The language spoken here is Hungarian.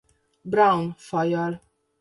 Brown fajjal.